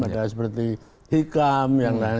ada yang seperti hikam